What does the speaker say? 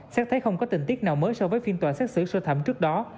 xét thấy không có tình tiết nào mới so với phiên tòa xét xử sơ thẩm trước đó